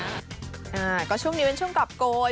อ่าก็ช่วงนี้เป็นช่วงกรอบโกน